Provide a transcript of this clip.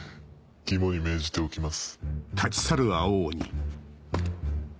肝に銘じておきます。